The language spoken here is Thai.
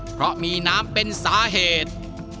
เพราะมีน้ำเป็นสาเหตุ